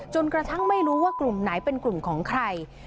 กระทั่งไม่รู้ว่ากลุ่มไหนเป็นกลุ่มของใคร